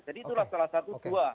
jadi itulah salah satu dua